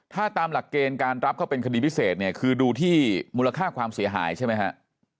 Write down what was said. ถ้าตามหลักเกณฑ์การรับเขาเป็นคดีพิเศษเนี่ยคือดูที่มูลค่าความเสียหายใช่ไหมฮะ